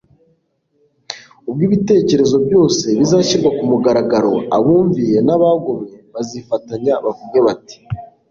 Ubwo ibitekerezo byose bizashyirwa ku mugaragaro, abumviye n'abagomye bazifatanya bavuge bati